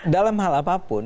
dalam hal apapun